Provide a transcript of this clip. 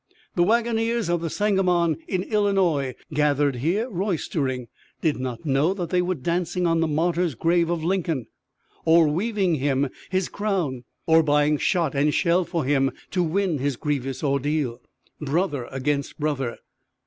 The wagoners of the Sangamon, in Illinois, gathered here, roistering, did not know that they were dancing on the martyr's grave of Lincoln, or weaving him his crown, or buying shot and shell for him to win his grievous ordeal, brother against brother.